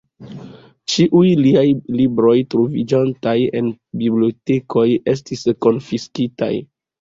Ĉiuj liaj libroj troviĝantaj en bibliotekoj estis konfiskitaj.